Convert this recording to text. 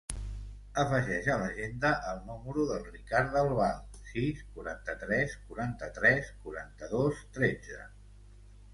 Afegeix a l'agenda el número del Ricard Del Val: sis, quaranta-tres, quaranta-tres, quaranta-dos, tretze.